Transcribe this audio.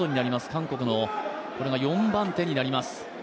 韓国のこれが４番手になります。